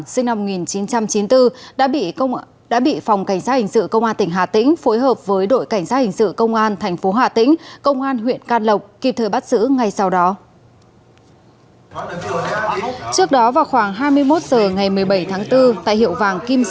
xin chào và hẹn gặp lại